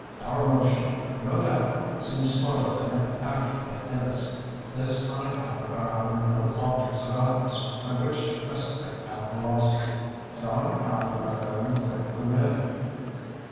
Our motion, no doubt, seems slower than it actually is—this on account of our having no objects about us by which to estimate our velocity, and on account of our going with the wind.